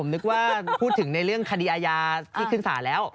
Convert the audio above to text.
นึกว่าพูดถึงในเรื่องคดีอาญาที่ขึ้นศาลแล้ว